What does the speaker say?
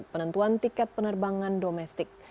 penentuan tiket penerbangan domestik